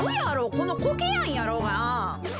このコケヤンやろうが。